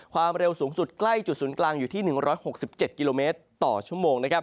ความเร็วสูงสุดใกล้จุดศูนย์กลางอยู่ที่๑๖๗กิโลเมตรต่อชั่วโมง